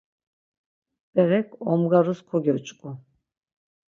Berek omgarus kogyoç̌ǩu.